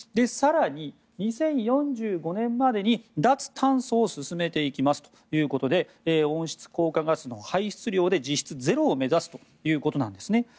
更に２０４５年までに脱炭素を進めていきますということで温室効果ガスの排出量で実質ゼロを目指すということです。